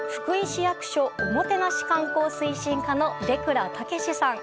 市役所おもてなし観光推進課の出蔵健至さん。